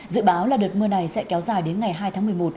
dự báo là đợt mưa này sẽ kéo dài đến ngày hai tháng một mươi một